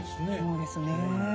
そうですね。